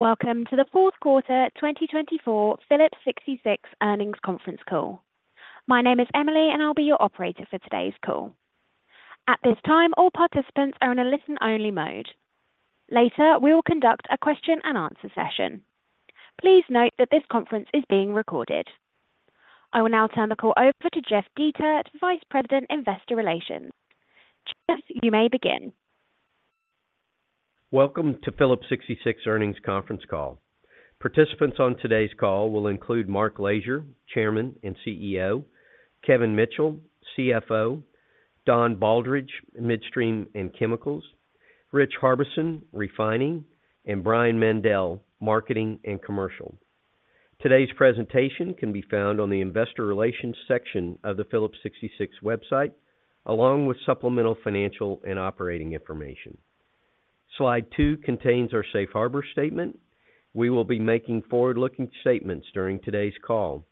Welcome to the fourth quarter 2024 Phillips 66 earnings conference call. My name is Emily, and I'll be your operator for today's call. At this time, all participants are in a listen-only mode. Later, we will conduct a question-and-answer session. Please note that this conference is being recorded. I will now turn the call over to Jeff Dietert, Vice President, Investor Relations. Jeff, you may begin. Welcome to Phillips 66 earnings conference call. Participants on today's call will include Mark Lashier, Chairman and CEO; Kevin Mitchell, CFO; Don Baldridge, Midstream and Chemicals; Rich Harbison, Refining; and Brian Mandell, Marketing and Commercial. Today's presentation can be found on the Investor Relations section of the Phillips 66 website, along with supplemental financial and operating information. Slide 2 contains our safe harbor statement. We will be making forward-looking statements during today's call.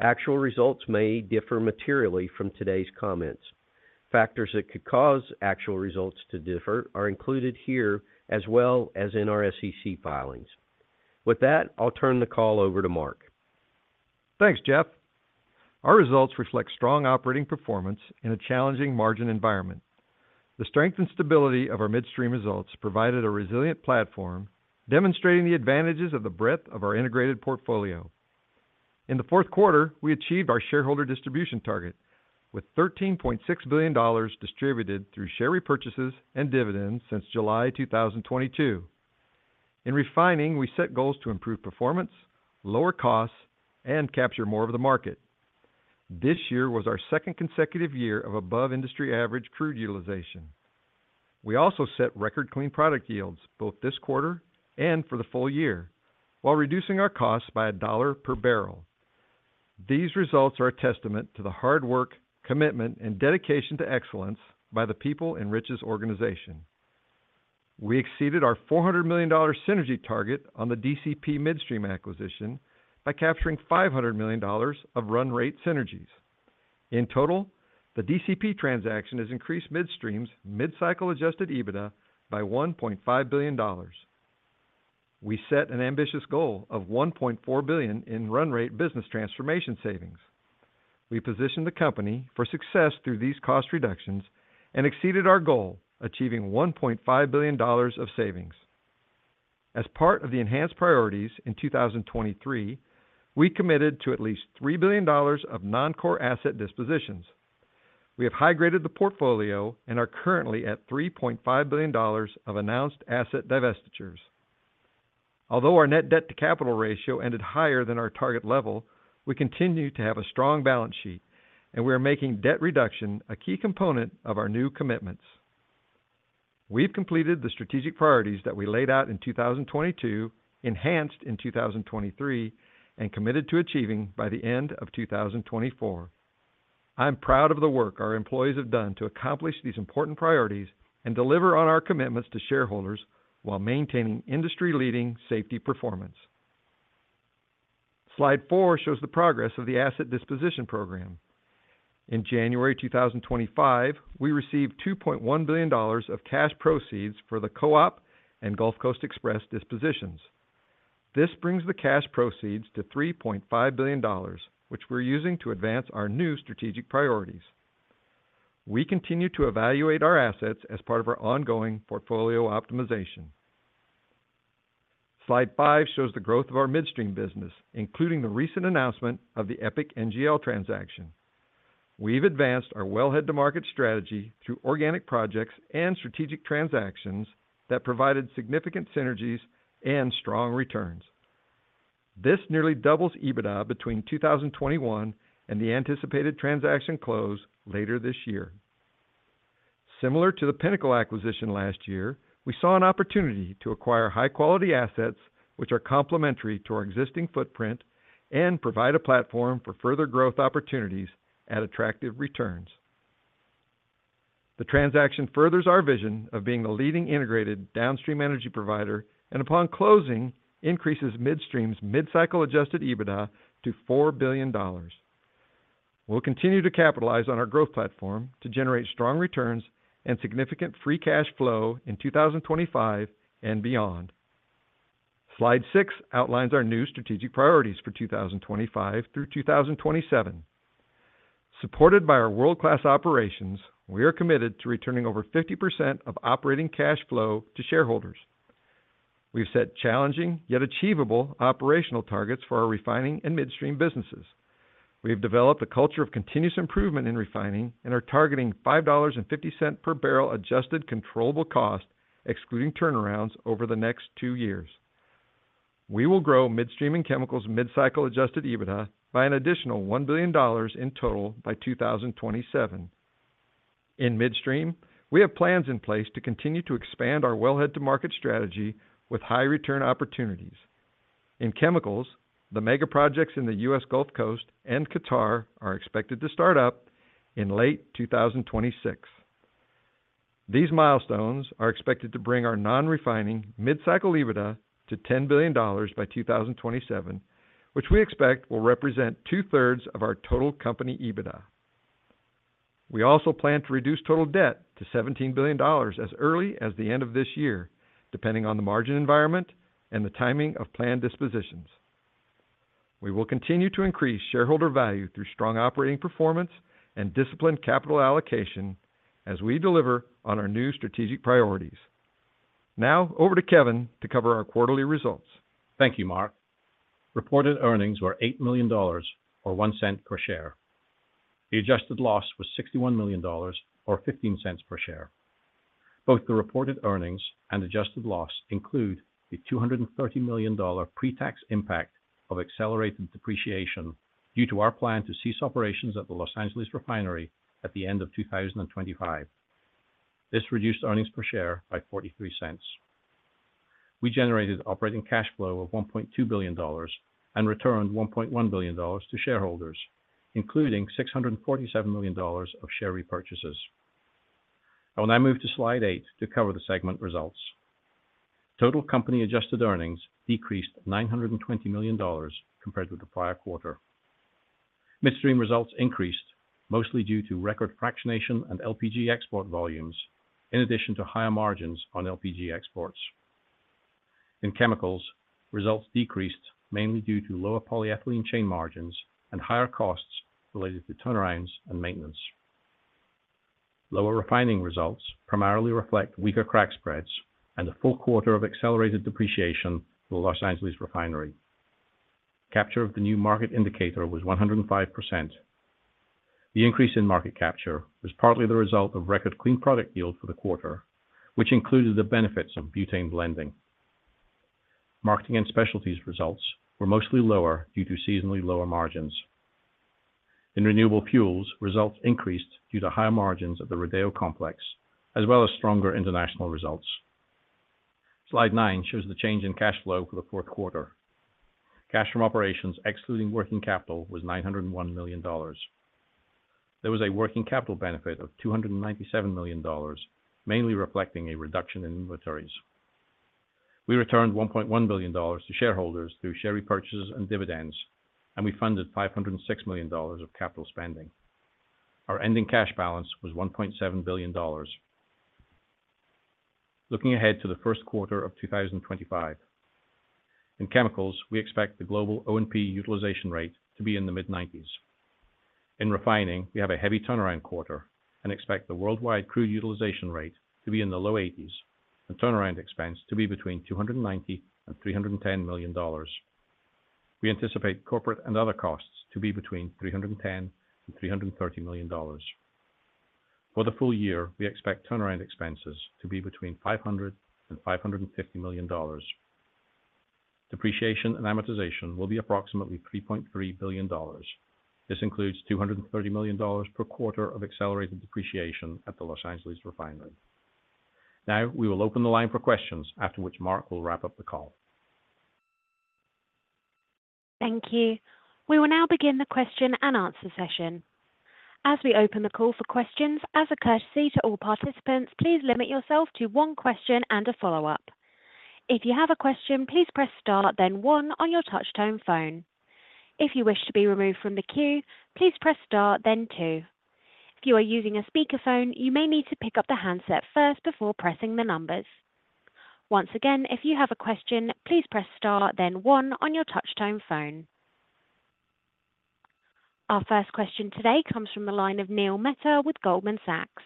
Actual results may differ materially from today's comments. Factors that could cause actual results to differ are included here, as well as in our SEC filings. With that, I'll turn the call over to Mark. Thanks, Jeff. Our results reflect strong operating performance in a challenging margin environment. The strength and stability of our midstream results provided a resilient platform, demonstrating the advantages of the breadth of our integrated portfolio. In the fourth quarter, we achieved our shareholder distribution target, with $13.6 billion distributed through share repurchases and dividends since July 2022. In refining, we set goals to improve performance, lower costs, and capture more of the market. This year was our second consecutive year of above-industry-average crude utilization. We also set record clean product yields both this quarter and for the full year, while reducing our costs by $1 per barrel. These results are a testament to the hard work, commitment, and dedication to excellence by the people in Rich's organization. We exceeded our $400 million synergy target on the DCP Midstream acquisition by capturing $500 million of run-rate synergies. In total, the DCP transaction has increased midstream's mid-cycle adjusted EBITDA by $1.5 billion. We set an ambitious goal of $1.4 billion in run-rate business transformation savings. We positioned the company for success through these cost reductions and exceeded our goal, achieving $1.5 billion of savings. As part of the enhanced priorities in 2023, we committed to at least $3 billion of non-core asset dispositions. We have high-graded the portfolio and are currently at $3.5 billion of announced asset divestitures. Although our net debt-to-capital ratio ended higher than our target level, we continue to have a strong balance sheet, and we are making debt reduction a key component of our new commitments. We've completed the strategic priorities that we laid out in 2022, enhanced in 2023, and committed to achieving by the end of 2024. I'm proud of the work our employees have done to accomplish these important priorities and deliver on our commitments to shareholders while maintaining industry-leading safety performance. Slide 4 shows the progress of the asset disposition program. In January 2025, we received $2.1 billion of cash proceeds for the Co-op and Gulf Coast Express dispositions. This brings the cash proceeds to $3.5 billion, which we're using to advance our new strategic priorities. We continue to evaluate our assets as part of our ongoing portfolio optimization. Slide 5 shows the growth of our midstream business, including the recent announcement of the EPIC NGL transaction. We've advanced our wellhead-to-market strategy through organic projects and strategic transactions that provided significant synergies and strong returns. This nearly doubles EBITDA between 2021 and the anticipated transaction close later this year. Similar to the Pinnacle acquisition last year, we saw an opportunity to acquire high-quality assets, which are complementary to our existing footprint and provide a platform for further growth opportunities at attractive returns. The transaction furthers our vision of being the leading integrated downstream energy provider and, upon closing, increases midstream's mid-cycle adjusted EBITDA to $4 billion. We'll continue to capitalize on our growth platform to generate strong returns and significant free cash flow in 2025 and beyond. Slide 6 outlines our new strategic priorities for 2025 through 2027. Supported by our world-class operations, we are committed to returning over 50% of operating cash flow to shareholders. We've set challenging yet achievable operational targets for our refining and midstream businesses. We have developed a culture of continuous improvement in refining and are targeting $5.50 per barrel adjusted controllable cost, excluding turnarounds, over the next two years. We will grow midstream and chemicals mid-cycle adjusted EBITDA by an additional $1 billion in total by 2027. In midstream, we have plans in place to continue to expand our wellhead-to-market strategy with high-return opportunities. In chemicals, the mega projects in the U.S. Gulf Coast and Qatar are expected to start up in late 2026. These milestones are expected to bring our non-refining mid-cycle EBITDA to $10 billion by 2027, which we expect will represent 2/3 of our total company EBITDA. We also plan to reduce total debt to $17 billion as early as the end of this year, depending on the margin environment and the timing of planned dispositions. We will continue to increase shareholder value through strong operating performance and disciplined capital allocation as we deliver on our new strategic priorities. Now, over to Kevin to cover our quarterly results. Thank you, Mark. Reported earnings were $8 million, or $0.01 per share. The adjusted loss was $61 million, or $0.15 per share. Both the reported earnings and adjusted loss include the $230 million pre-tax impact of accelerated depreciation due to our plan to cease operations at the Los Angeles Refinery at the end of 2025. This reduced earnings per share by $0.4. We generated operating cash flow of $1.2 billion and returned $1.1 billion to shareholders, including $647 million of share repurchases. I will now move to Slide 8 to cover the segment results. Total company adjusted earnings decreased $920 million compared with the prior quarter. Midstream results increased, mostly due to record fractionation and LPG export volumes, in addition to higher margins on LPG exports. In chemicals, results decreased mainly due to lower polyethylene chain margins and higher costs related to turnarounds and maintenance. Lower refining results primarily reflect weaker crack spreads and a full quarter of accelerated depreciation at the Los Angeles Refinery. Capture of the new market indicator was 105%. The increase in market capture was partly the result of record clean product yield for the quarter, which included the benefits of butane blending. Marketing and Specialties results were mostly lower due to seasonally lower margins. In renewable fuels, results increased due to higher margins at the Rodeo Complex, as well as stronger international results. Slide 9 shows the change in cash flow for the fourth quarter. Cash from operations excluding working capital was $901 million. There was a working capital benefit of $297 million, mainly reflecting a reduction in inventories. We returned $1.1 billion to shareholders through share repurchases and dividends, and we funded $506 million of capital spending. Our ending cash balance was $1.7 billion. Looking ahead to the first quarter of 2025, in chemicals, we expect the global O&P utilization rate to be in the mid-90s. In refining, we have a heavy turnaround quarter and expect the worldwide crude utilization rate to be in the low 80s and turnaround expense to be between $290 million-$310 million. We anticipate corporate and other costs to be between $310 million-$330 million. For the full year, we expect turnaround expenses to be between $500 million-$550 million. Depreciation and amortization will be approximately $3.3 billion. This includes $230 million per quarter of accelerated depreciation at the Los Angeles Refinery. Now, we will open the line for questions, after which Mark will wrap up the call. Thank you. We will now begin the question and answer session. As we open the call for questions, as a courtesy to all participants, please limit yourself to one question and a follow-up. If you have a question, please press Start, then 1 on your touch-tone phone. If you wish to be removed from the queue, please press Start, then 2. If you are using a speakerphone, you may need to pick up the handset first before pressing the numbers. Once again, if you have a question, please press Start, then 1 on your touch-tone phone. Our first question today comes from the line of Neil Mehta with Goldman Sachs.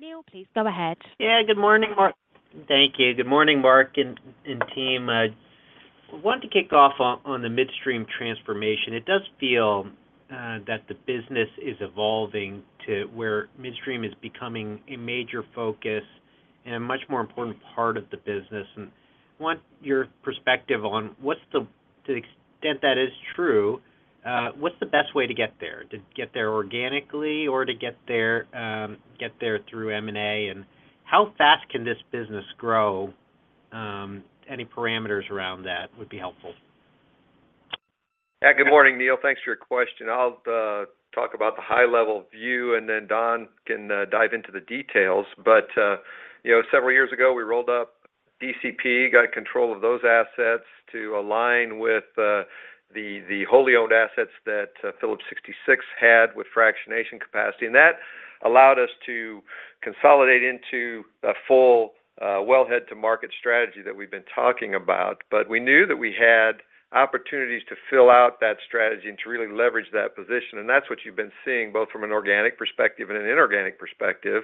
Neil, please go ahead. Yeah, good morning, Mark. Thank you. Good morning, Mark and team. I want to kick off on the midstream transformation. It does feel that the business is evolving to where midstream is becoming a major focus and a much more important part of the business. And I want your perspective on, to the extent that is true, what's the best way to get there? To get there organically or to get there through M&A? And how fast can this business grow? Any parameters around that would be helpful. Yeah, good morning, Neil. Thanks for your question. I'll talk about the high-level view, and then Don can dive into the details. But several years ago, we rolled up DCP, got control of those assets to align with the wholly owned assets that Phillips 66 had with fractionation capacity. And that allowed us to consolidate into a full wellhead-to-market strategy that we've been talking about. But we knew that we had opportunities to fill out that strategy and to really leverage that position. And that's what you've been seeing, both from an organic perspective and an inorganic perspective.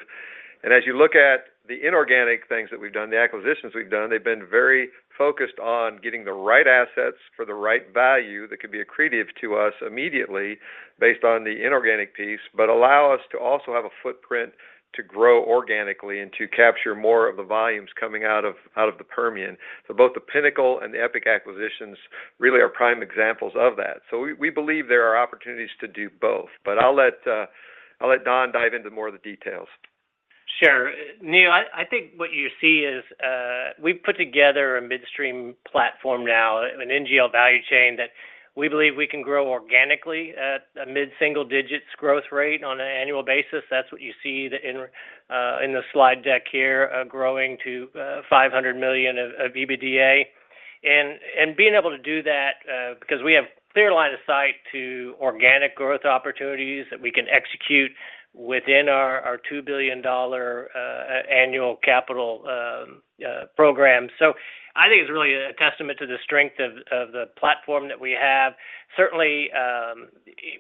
As you look at the inorganic things that we've done, the acquisitions we've done, they've been very focused on getting the right assets for the right value that could be accretive to us immediately based on the inorganic piece, but allow us to also have a footprint to grow organically and to capture more of the volumes coming out of the Permian. Both the Pinnacle and the EPIC acquisitions really are prime examples of that. We believe there are opportunities to do both. I'll let Don dive into more of the details. Sure. Neil, I think what you see is we've put together a midstream platform now, an NGL value chain that we believe we can grow organically at a mid-single-digits growth rate on an annual basis. That's what you see in the slide deck here, growing to $500 million of EBITDA. And being able to do that, because we have a clear line of sight to organic growth opportunities that we can execute within our $2 billion annual capital program. So I think it's really a testament to the strength of the platform that we have. Certainly,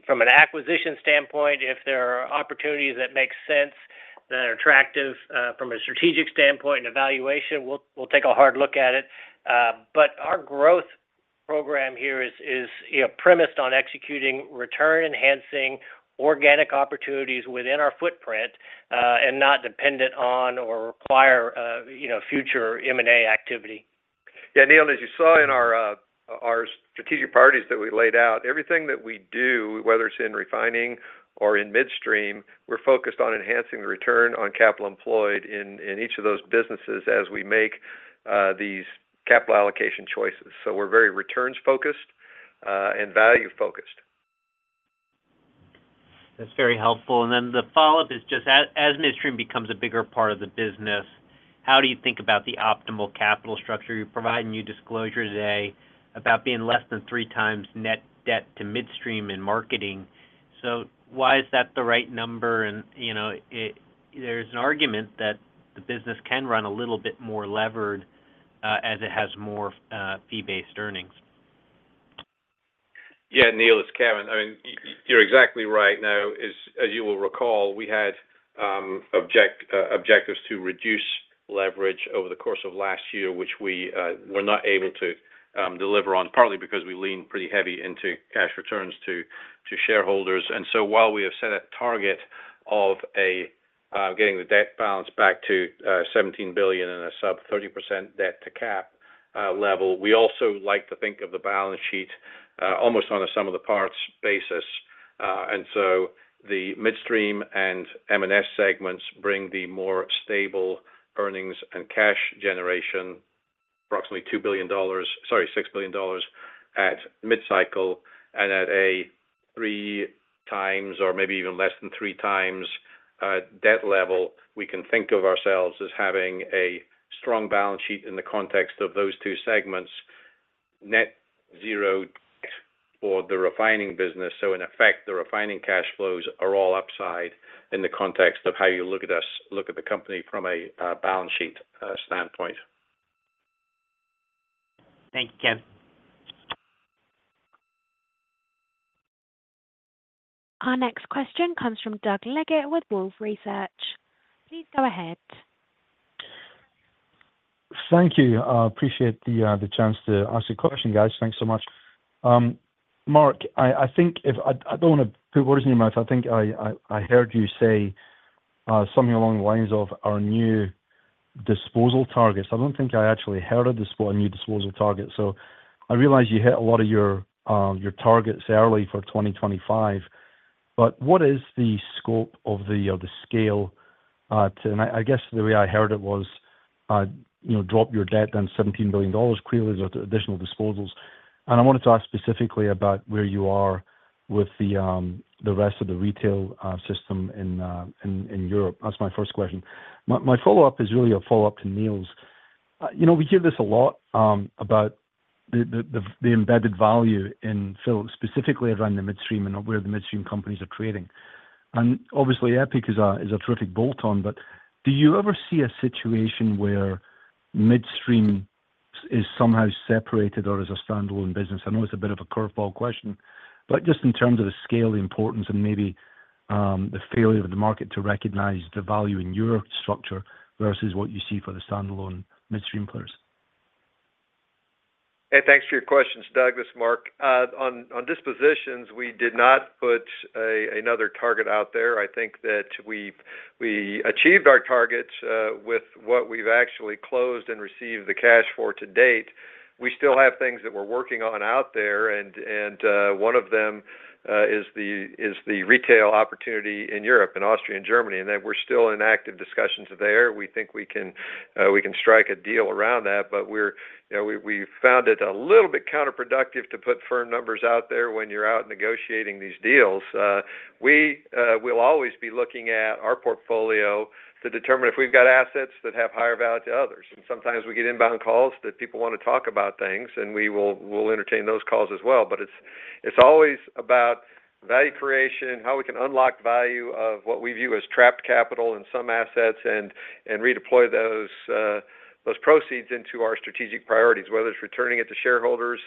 from an acquisition standpoint, if there are opportunities that make sense that are attractive from a strategic standpoint and valuation, we'll take a hard look at it. But our growth program here is premised on executing return-enhancing organic opportunities within our footprint and not dependent on or require future M&A activity. Yeah, Neil, as you saw in our strategic priorities that we laid out, everything that we do, whether it's in refining or in midstream, we're focused on enhancing the return on capital employed in each of those businesses as we make these capital allocation choices. So we're very returns-focused and value-focused. That's very helpful. And then the follow-up is just, as midstream becomes a bigger part of the business, how do you think about the optimal capital structure? You're providing new disclosure today about being less than 3x net debt to midstream and marketing. So why is that the right number? And there's an argument that the business can run a little bit more levered as it has more fee-based earnings. Yeah, Neil, it's Kevin. I mean, you're exactly right. Now, as you will recall, we had objectives to reduce leverage over the course of last year, which we were not able to deliver on, partly because we leaned pretty heavy into cash returns to shareholders. And so while we have set a target of getting the debt balance back to $17 billion and a sub-30% debt-to-cap level, we also like to think of the balance sheet almost on a sum of the parts basis. And so the midstream and M&S segments bring the more stable earnings and cash generation, approximately $2 billion, sorry, $6 billion at mid-cycle. And at a 3x or maybe even less than 3x debt level, we can think of ourselves as having a strong balance sheet in the context of those two segments, net zero debt for the refining business. So in effect, the refining cash flows are all upside in the context of how you look at the company from a balance sheet standpoint. Thank you, Kevin. Our next question comes from Doug Leggate with Wolfe Research. Please go ahead. Thank you. I appreciate the chance to ask a question, guys. Thanks so much. Mark, I think I don't want to put words in your mouth. I think I heard you say something along the lines of our new disposition targets. I don't think I actually heard of a new disposition target. So I realize you hit a lot of your targets early for 2025. But what is the scope and scale? And I guess the way I heard it was, "Drop your debt down to $17 billion clearly as additional dispositions." And I wanted to ask specifically about where you are with the rest of the retail system in Europe. That's my first question. My follow-up is really a follow-up to Neil's. We hear this a lot about the embedded value in Phillips, specifically around the midstream and where the midstream companies are trading. Obviously, EPIC is a terrific bolt-on, but do you ever see a situation where midstream is somehow separated or is a standalone business? I know it's a bit of a curveball question, but just in terms of the scale, the importance, and maybe the failure of the market to recognize the value in your structure versus what you see for the standalone midstream players. Hey, thanks for your questions, Douglas, Mark. On dispositions, we did not put another target out there. I think that we achieved our targets with what we've actually closed and received the cash for to date. We still have things that we're working on out there. And one of them is the retail opportunity in Europe and Austria and Germany. And we're still in active discussions there. We think we can strike a deal around that. But we found it a little bit counterproductive to put firm numbers out there when you're out negotiating these deals. We will always be looking at our portfolio to determine if we've got assets that have higher value to others. And sometimes we get inbound calls that people want to talk about things, and we will entertain those calls as well. But it's always about value creation, how we can unlock value of what we view as trapped capital in some assets, and redeploy those proceeds into our strategic priorities, whether it's returning it to shareholders,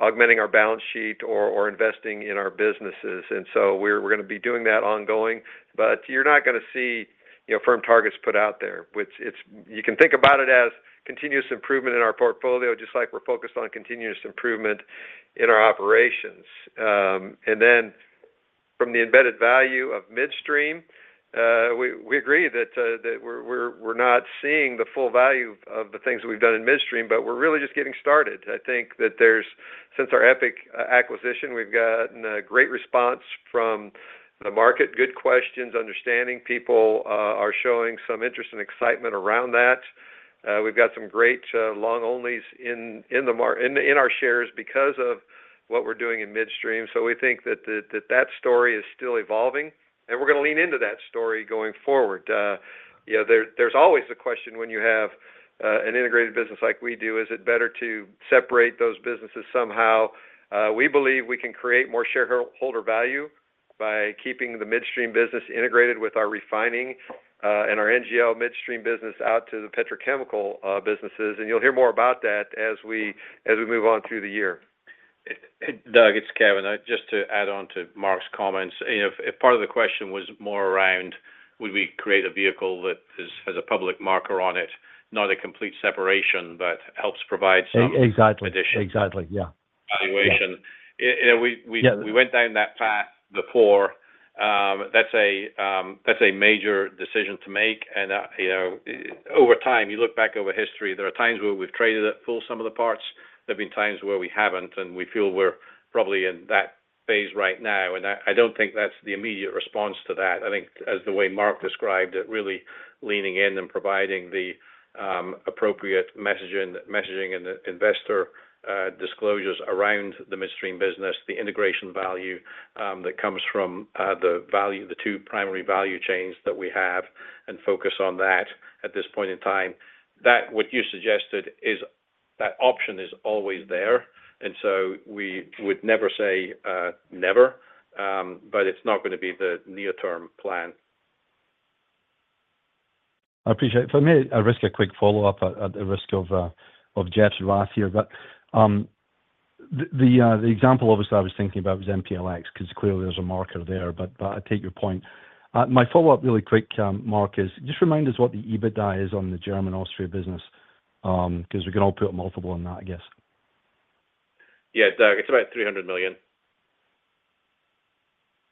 augmenting our balance sheet, or investing in our businesses. And so we're going to be doing that ongoing. But you're not going to see firm targets put out there. You can think about it as continuous improvement in our portfolio, just like we're focused on continuous improvement in our operations. And then from the embedded value of midstream, we agree that we're not seeing the full value of the things that we've done in midstream, but we're really just getting started. I think that since our EPIC acquisition, we've gotten a great response from the market, good questions, understanding. People are showing some interest and excitement around that. We've got some great long-only in our shares because of what we're doing in midstream. So we think that that story is still evolving. And we're going to lean into that story going forward. There's always the question when you have an integrated business like we do, is it better to separate those businesses somehow? We believe we can create more shareholder value by keeping the midstream business integrated with our refining and our NGL midstream business out to the petrochemical businesses. And you'll hear more about that as we move on through the year. Doug, it's Kevin. Just to add on to Mark's comments, if part of the question was more around, would we create a vehicle that has a public market on it, not a complete separation, but helps provide some addition? Exactly. Exactly. Yeah. Valuation. We went down that path before. That's a major decision to make. And over time, you look back over history, there are times where we've traded it full sum-of-the-parts. There have been times where we haven't, and we feel we're probably in that phase right now. And I don't think that's the immediate response to that. I think, as the way Mark described, that really leaning in and providing the appropriate messaging and investor disclosures around the midstream business, the integration value that comes from the two primary value chains that we have, and focus on that at this point in time. What you suggested is that option is always there. And so we would never say never, but it's not going to be the near-term plan. I appreciate it. If I may, I risk a quick follow-up at the risk of jet lag here. But the example obviously I was thinking about was MPLX because clearly there's a marker there. But I take your point. My follow-up really quick, Mark, is just remind us what the EBITDA is on the Germany-Austria business because we can all put a multiple on that, I guess. Yeah, Doug, it's about $300 million.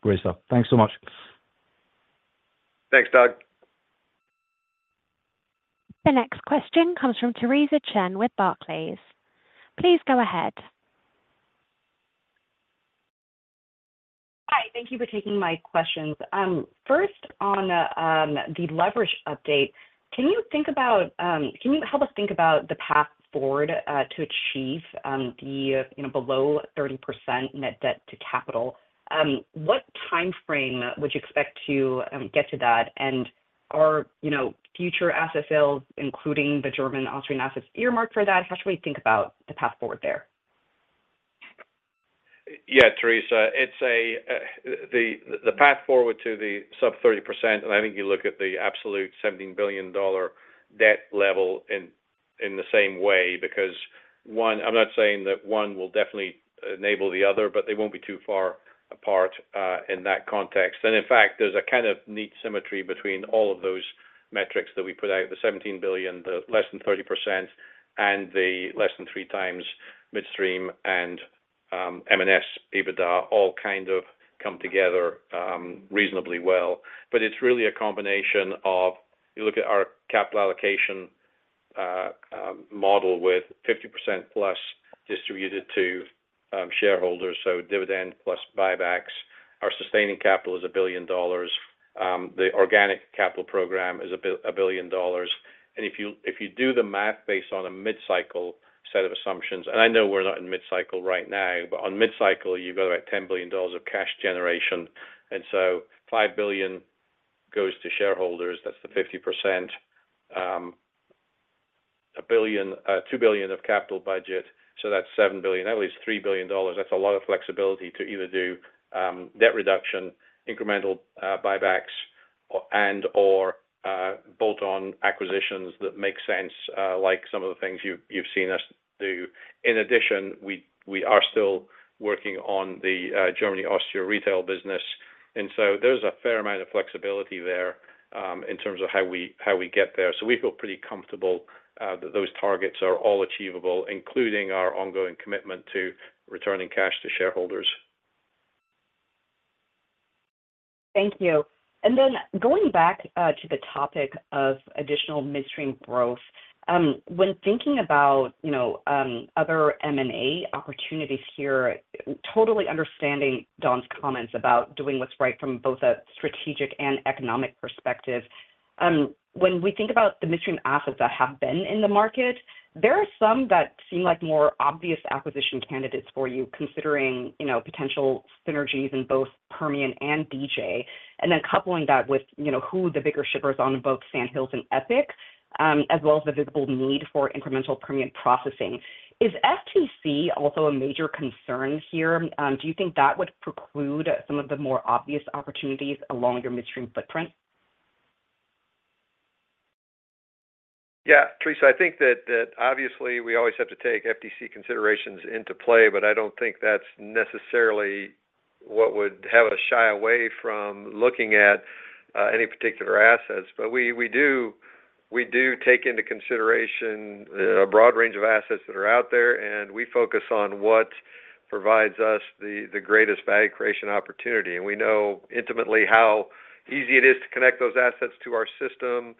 Great stuff. Thanks so much. Thanks, Doug. The next question comes from Theresa Chen with Barclays. Please go ahead. Hi. Thank you for taking my questions. First, on the leverage update, can you help us think about the path forward to achieve below 30% net debt to capital? What timeframe would you expect to get to that? And are future asset sales, including the German-Austrian assets, earmarked for that? How should we think about the path forward there? Yeah, Theresa, it's the path forward to the sub-30%. I think you look at the absolute $17 billion debt level in the same way because, one, I'm not saying that one will definitely enable the other, but they won't be too far apart in that context. In fact, there's a kind of neat symmetry between all of those metrics that we put out, the $17 billion, the less than 30%, and the less than 3x midstream and M&S EBITDA all kind of come together reasonably well. It's really a combination of you look at our capital allocation model with 50%+ distributed to shareholders, so dividend plus buybacks. Our sustaining capital is $1 billion. The organic capital program is $1 billion. If you do the math based on a mid-cycle set of assumptions, and I know we're not in mid-cycle right now, but on mid-cycle, you've got about $10 billion of cash generation, and so $5 billion goes to shareholders. That's the 50%. $2 billion of capital budget, so that's $7 billion, that leaves $3 billion. That's a lot of flexibility to either do debt reduction, incremental buybacks, and/or bolt-on acquisitions that make sense, like some of the things you've seen us do. In addition, we are still working on the Germany-Austria retail business, and so there's a fair amount of flexibility there in terms of how we get there, so we feel pretty comfortable that those targets are all achievable, including our ongoing commitment to returning cash to shareholders. Thank you, and then going back to the topic of additional midstream growth, when thinking about other M&A opportunities here, totally understanding Don's comments about doing what's right from both a strategic and economic perspective, when we think about the midstream assets that have been in the market, there are some that seem like more obvious acquisition candidates for you, considering potential synergies in both Permian and DJ, and then coupling that with who the bigger shippers are on both Sandhills and EPIC, as well as the visible need for incremental Permian processing. Is FTC also a major concern here? Do you think that would preclude some of the more obvious opportunities along your midstream footprint? Yeah, Theresa, I think that obviously we always have to take FTC considerations into play, but I don't think that's necessarily what would have us shy away from looking at any particular assets. But we do take into consideration a broad range of assets that are out there, and we focus on what provides us the greatest value creation opportunity. And we know intimately how easy it is to connect those assets to our system,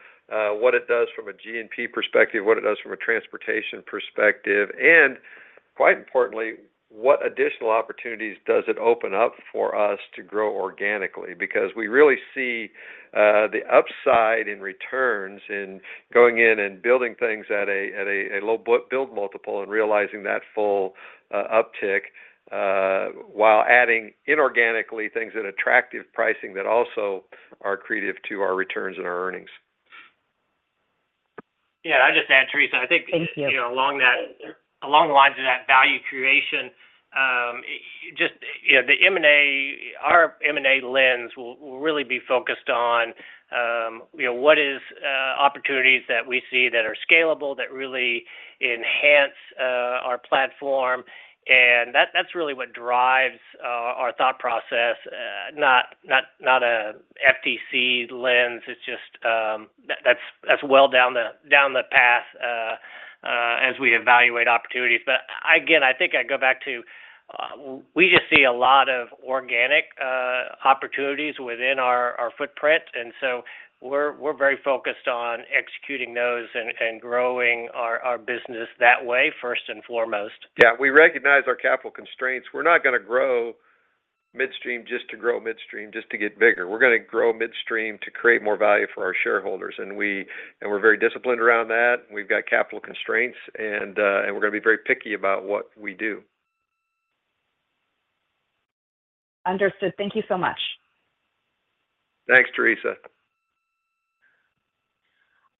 what it does from a G&P perspective, what it does from a transportation perspective, and quite importantly, what additional opportunities does it open up for us to grow organically? Because we really see the upside in returns in going in and building things at a low build multiple and realizing that full uptick while adding inorganically things that attract pricing that also are accretive to our returns and our earnings. Yeah, I'll just add, Theresa, I think along the lines of that value creation, just the M&A, our M&A lens will really be focused on what are opportunities that we see that are scalable, that really enhance our platform. And that's really what drives our thought process, not an FTC lens. It's just that's well down the path as we evaluate opportunities. But again, I think I go back to we just see a lot of organic opportunities within our footprint. And so we're very focused on executing those and growing our business that way, first and foremost. Yeah, we recognize our capital constraints. We're not going to grow midstream just to grow midstream just to get bigger. We're going to grow midstream to create more value for our shareholders, and we're very disciplined around that. We've got capital constraints, and we're going to be very picky about what we do. Understood. Thank you so much. Thanks, Theresa.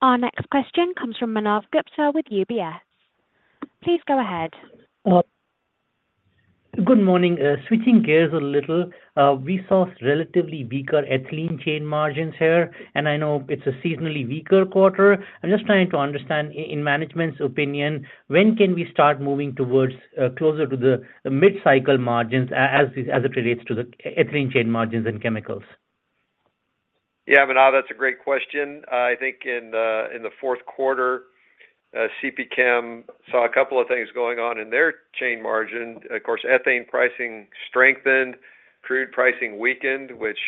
Our next question comes from Manav Gupta with UBS. Please go ahead. Good morning. Switching gears a little, we saw relatively weaker ethylene chain margins here, and I know it's a seasonally weaker quarter. I'm just trying to understand, in management's opinion, when can we start moving closer to the mid-cycle margins as it relates to the ethylene chain margins and chemicals? Yeah, Manav, that's a great question. I think in the fourth quarter, CPChem saw a couple of things going on in their chain margin. Of course, ethane pricing strengthened, crude pricing weakened, which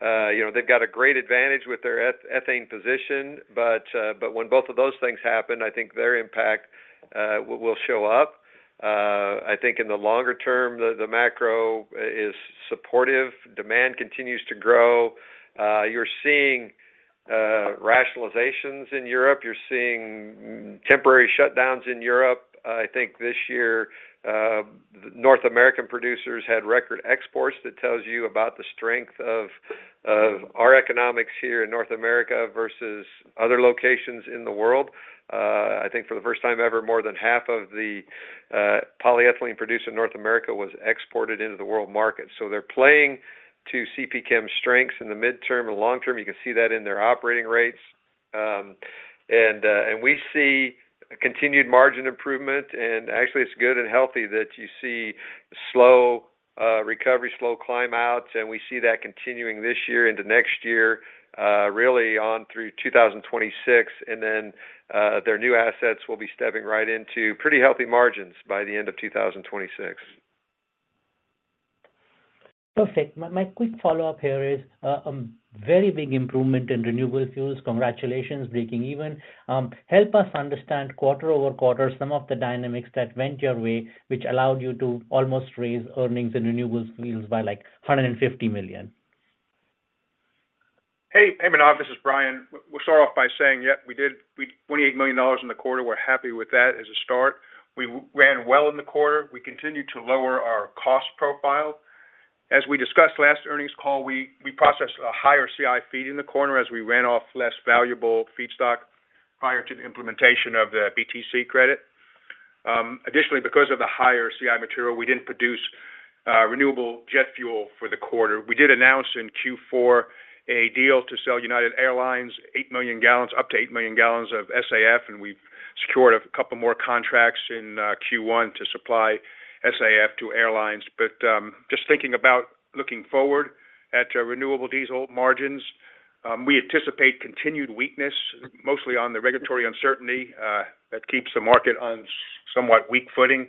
they've got a great advantage with their ethane position. But when both of those things happen, I think their impact will show up. I think in the longer term, the macro is supportive. Demand continues to grow. You're seeing rationalizations in Europe. You're seeing temporary shutdowns in Europe. I think this year, North American producers had record exports. That tells you about the strength of our economics here in North America versus other locations in the world. I think for the first time ever, more than half of the polyethylene produced in North America was exported into the world market. So they're playing to CPChem's strengths in the midterm and long term. You can see that in their operating rates, and we see continued margin improvement. And actually, it's good and healthy that you see slow recovery, slow climb out, and we see that continuing this year into next year, really on through 2026, and then their new assets will be stepping right into pretty healthy margins by the end of 2026. Perfect. My quick follow-up here is a very big improvement in renewable fuels. Congratulations, breaking even. Help us understand quarter-over-quarter, some of the dynamics that went your way, which allowed you to almost raise earnings in renewable fuels by like $150 million. Hey, hey, Manav, this is Brian. We'll start off by saying, yep, we did $28 million in the quarter. We're happy with that as a start. We ran well in the quarter. We continue to lower our cost profile. As we discussed last earnings call, we processed a higher CI feed in the quarter as we ran off less valuable feedstock prior to the implementation of the BTC credit. Additionally, because of the higher CI material, we didn't produce renewable jet fuel for the quarter. We did announce in Q4 a deal to sell United Airlines 8 million gallons, up to 8 million gallons of SAF. And we've secured a couple more contracts in Q1 to supply SAF to airlines. But just thinking about looking forward at renewable diesel margins, we anticipate continued weakness, mostly on the regulatory uncertainty that keeps the market on somewhat weak footing.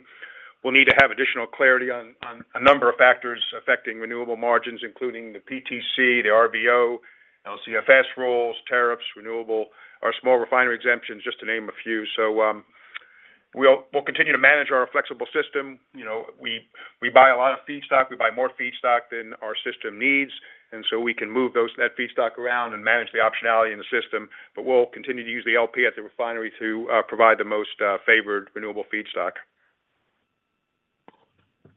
We'll need to have additional clarity on a number of factors affecting renewable margins, including the PTC, the RVO, LCFS rules, tariffs, renewable, our small refinery exemptions, just to name a few. So we'll continue to manage our flexible system. We buy a lot of feedstock. We buy more feedstock than our system needs. And so we can move that feedstock around and manage the optionality in the system. But we'll continue to use the LP at the refinery to provide the most favored renewable feedstock.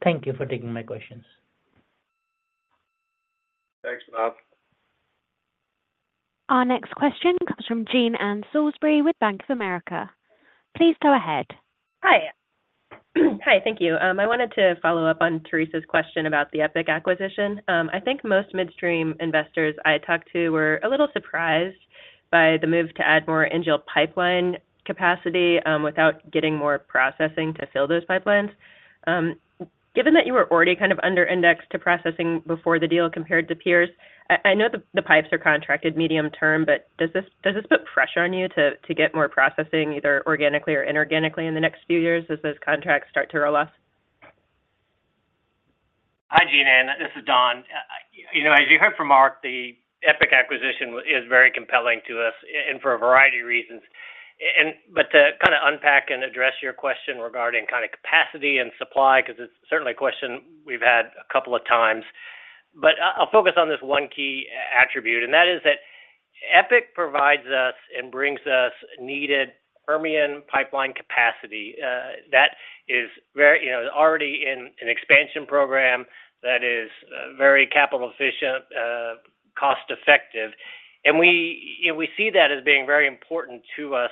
Thank you for taking my questions. Thanks, Manav. Our next question comes from Jean Ann Salisbury with Bank of America. Please go ahead. Hi. Hi, thank you. I wanted to follow up on Theresa's question about the EPIC acquisition. I think most midstream investors I talked to were a little surprised by the move to add more NGL pipeline capacity without getting more processing to fill those pipelines. Given that you were already kind of under-indexed to processing before the deal compared to peers, I know that the pipes are contracted medium term, but does this put pressure on you to get more processing either organically or inorganically in the next few years as those contracts start to roll off? Hi, Jean Ann. This is Don. As you heard from Mark, the EPIC acquisition is very compelling to us for a variety of reasons. But to kind of unpack and address your question regarding kind of capacity and supply, because it's certainly a question we've had a couple of times, but I'll focus on this one key attribute, and that is that EPIC provides us and brings us needed Permian pipeline capacity. That is already in an expansion program that is very capital-efficient, cost-effective, and we see that as being very important to us.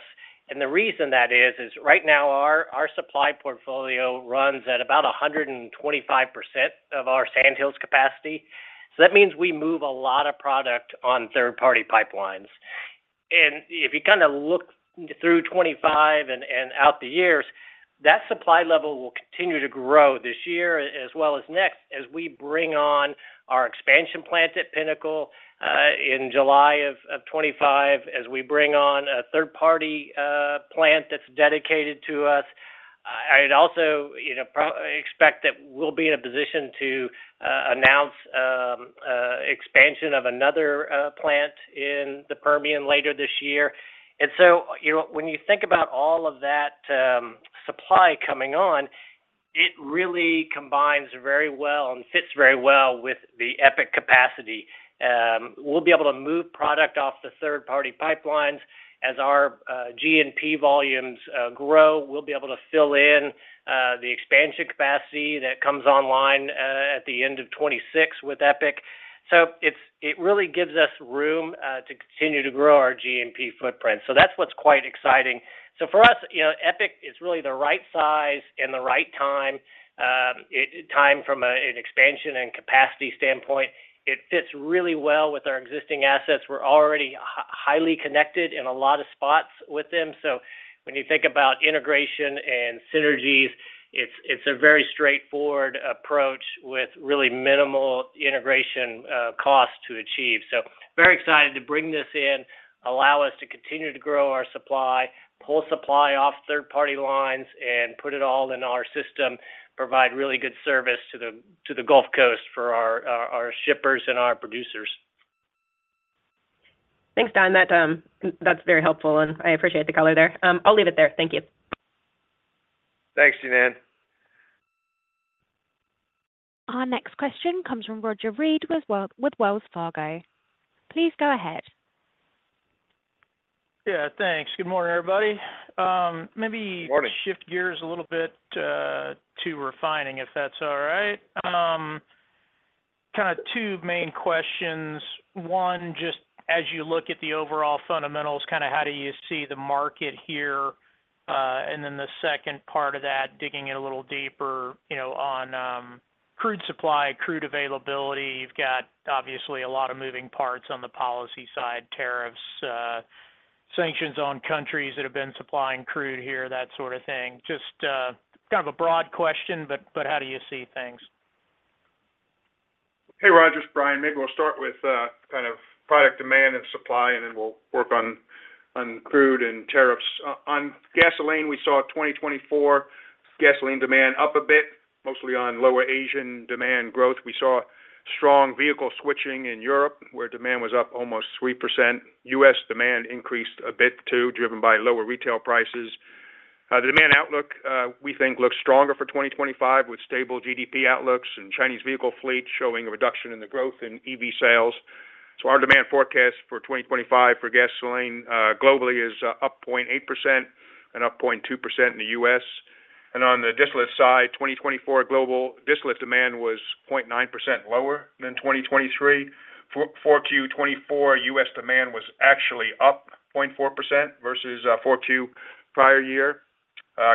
And the reason that is, is right now our supply portfolio runs at about 125% of our Sandhills capacity. So that means we move a lot of product on third-party pipelines. If you kind of look through 2025 and out the years, that supply level will continue to grow this year as well as next as we bring on our expansion plant at Pinnacle in July of 2025, as we bring on a third-party plant that's dedicated to us. I'd also expect that we'll be in a position to announce expansion of another plant in the Permian later this year. So when you think about all of that supply coming on, it really combines very well and fits very well with the EPIC capacity. We'll be able to move product off the third-party pipelines. As our G&P volumes grow, we'll be able to fill in the expansion capacity that comes online at the end of 2026 with EPIC. So it really gives us room to continue to grow our G&P footprint. So that's what's quite exciting. So for us, EPIC is really the right size and the right time from an expansion and capacity standpoint. It fits really well with our existing assets. We're already highly connected in a lot of spots with them. So when you think about integration and synergies, it's a very straightforward approach with really minimal integration costs to achieve. So very excited to bring this in, allow us to continue to grow our supply, pull supply off third-party lines, and put it all in our system, provide really good service to the Gulf Coast for our shippers and our producers. Thanks, Don. That's very helpful. And I appreciate the color there. I'll leave it there. Thank you. Thanks, Jean Ann. Our next question comes from Roger Read with Wells Fargo. Please go ahead. Yeah, thanks. Good morning, everybody. Maybe shift gears a little bit to refining, if that's all right. Kind of two main questions. One, just as you look at the overall fundamentals, kind of how do you see the market here? And then the second part of that, digging in a little deeper on crude supply, crude availability. You've got, obviously, a lot of moving parts on the policy side, tariffs, sanctions on countries that have been supplying crude here, that sort of thing. Just kind of a broad question, but how do you see things? Hey, Roger, Brian. Maybe we'll start with kind of product demand and supply, and then we'll work on crude and tariffs. On gasoline, we saw 2024 gasoline demand up a bit, mostly on lower Asian demand growth. We saw strong vehicle switching in Europe, where demand was up almost 3%. U.S. demand increased a bit too, driven by lower retail prices. The demand outlook, we think, looks stronger for 2025 with stable GDP outlooks and Chinese vehicle fleet showing a reduction in the growth in EV sales. So our demand forecast for 2025 for gasoline globally is up 0.8% and up 0.2% in the U.S. And on the distillate side, 2024 global distillate demand was 0.9% lower than 2023. For Q4 2024, U.S. demand was actually up 0.4% versus for Q prior year.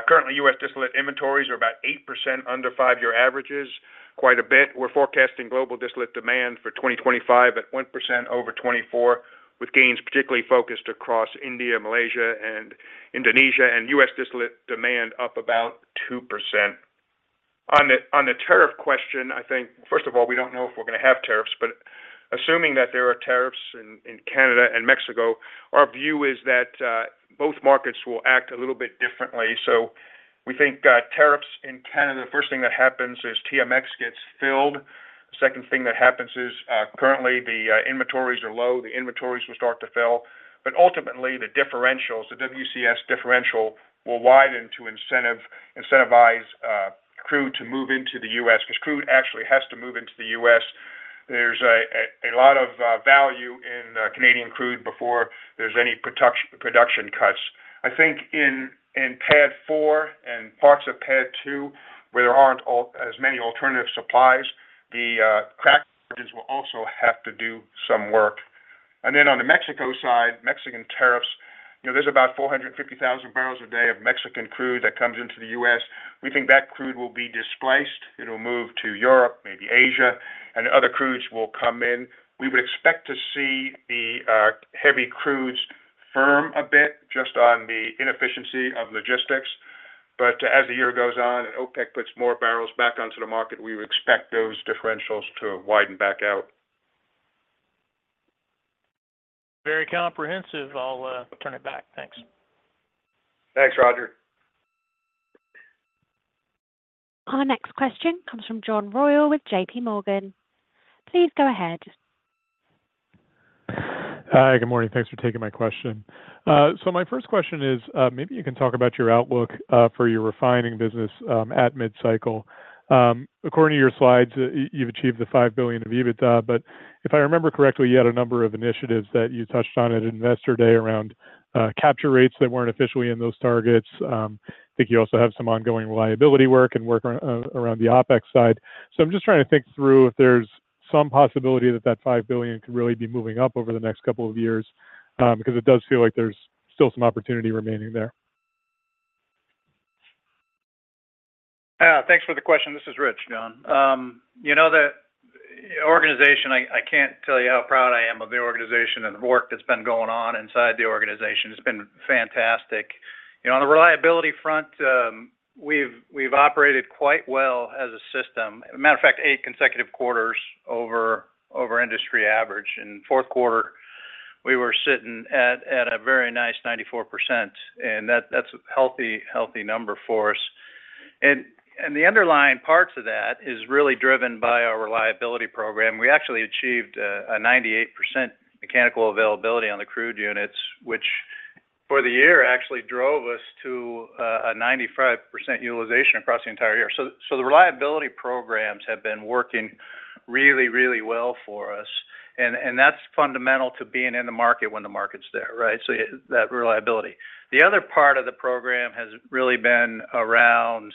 Currently, U.S. distillate inventories are about 8% under five-year averages, quite a bit. We're forecasting global distillate demand for 2025 at 1% over 2024, with gains particularly focused across India, Malaysia, and Indonesia, and U.S. distillate demand up about 2%. On the tariff question, I think, first of all, we don't know if we're going to have tariffs, but assuming that there are tariffs in Canada and Mexico, our view is that both markets will act a little bit differently. So we think tariffs in Canada, the first thing that happens is TMX gets filled. The second thing that happens is currently the inventories are low. The inventories will start to fill. But ultimately, the differentials, the WCS differential, will widen to incentivize crude to move into the U.S. because crude actually has to move into the U.S. There's a lot of value in Canadian crude before there's any production cuts. I think in PADD 4 and parts of PADD 2, where there aren't as many alternative supplies, the crack spreads will also have to do some work. And then on the Mexico side, Mexican tariffs, there's about 450,000 barrels a day of Mexican crude that comes into the U.S. We think that crude will be displaced. It'll move to Europe, maybe Asia, and other crudes will come in. We would expect to see the heavy crudes firm a bit just on the inefficiency of logistics. But as the year goes on and OPEC puts more barrels back onto the market, we would expect those differentials to widen back out. Very comprehensive. I'll turn it back. Thanks. Thanks, Roger. Our next question comes from John Royall with JPMorgan. Please go ahead. Hi, good morning. Thanks for taking my question. So my first question is, maybe you can talk about your outlook for your refining business at mid-cycle. According to your slides, you've achieved the $5 billion of EBITDA, but if I remember correctly, you had a number of initiatives that you touched on at Investor Day around capture rates that weren't officially in those targets. I think you also have some ongoing reliability work and work around the OPEC side. So I'm just trying to think through if there's some possibility that that $5 billion could really be moving up over the next couple of years because it does feel like there's still some opportunity remaining there. Thanks for the question. This is Rich, Don. You know the organization, I can't tell you how proud I am of the organization and the work that's been going on inside the organization. It's been fantastic. On the reliability front, we've operated quite well as a system. Matter of fact, eight consecutive quarters over industry-average. In fourth quarter, we were sitting at a very nice 94%. And that's a healthy number for us. And the underlying parts of that is really driven by our reliability program. We actually achieved a 98% mechanical availability on the crude units, which for the year actually drove us to a 95% utilization across the entire year. So the reliability programs have been working really, really well for us. And that's fundamental to being in the market when the market's there, right? So that reliability. The other part of the program has really been around